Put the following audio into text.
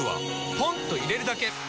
ポンと入れるだけ！